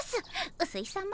うすいさま